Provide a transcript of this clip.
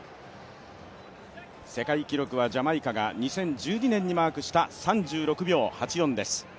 世界記録はジャマイカが２０１２年にマークした、３６秒８４です。